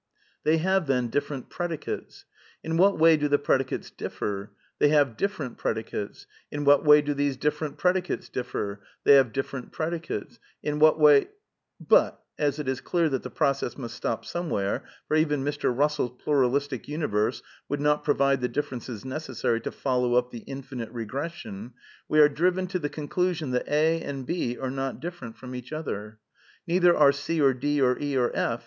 They have, then, different predicates. In what way do the predicates differ ? They have different predicates. In what way do these different predicates dif fer ? They have different predicates. In what way But, as it is clear that the process must stop somewhere (for even Mr. Bussell's Pluralistic Universe would not pro vide the differences necessary to follow up the infinite re v^ gression), we are driven to the conclusion that A and D^\ are not different from each other. Neither are C or D or E or F.